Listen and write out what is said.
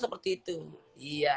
seperti itu iya hahaha